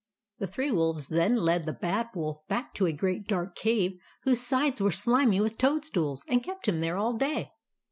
The three wolves then led the Bad Wolf back to a great dark cave whose sides were slimy with toadstools, and kept him there all day.